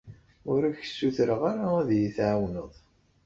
Ur ak-ssutreɣ ara ad iyi-tɛawneḍ.